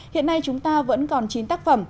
hiện nay chúng ta vẫn còn chín tác phẩm